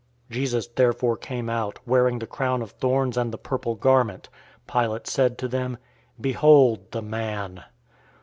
019:005 Jesus therefore came out, wearing the crown of thorns and the purple garment. Pilate said to them, "Behold, the man!"